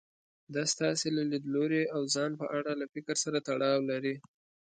دا ستاسې له ليدلوري او ځان په اړه له فکر سره تړاو لري.